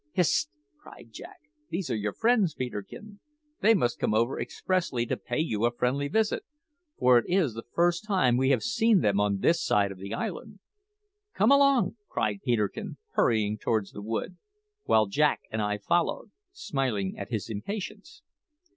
"Hist!" cried Jack; "these are your friends, Peterkin. They must have come over expressly to pay you a friendly visit, for it is the first time we have seen them on this side of the island." "Come along!" cried Peterkin, hurrying towards the wood; while Jack and I followed, smiling at his impatience.